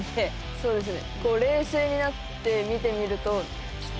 そうですね。